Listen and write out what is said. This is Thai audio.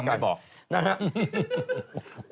แต่คุณยังไม่บอก